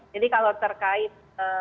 jadi kalau terkait